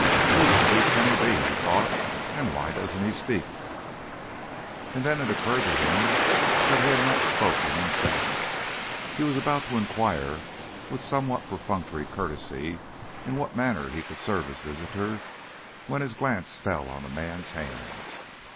"Who the deuce can he be?" he thought, "and why doesn't he speak?" And then it occurred to him that he had not spoken, himself. He was about to inquire with somewhat perfunctory courtesy in what manner he could serve his visitor, when his glance fell on the man's hands.